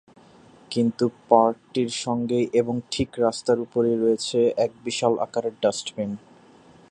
কিন্তু পার্কটির সঙ্গেই এবং ঠিক রাস্তার উপরেই রয়েছে এক বিশাল আকারের ডাস্টবিন।